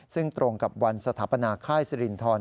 ซึ่งตรงกับวันสถาปนาค่ายสิรินทร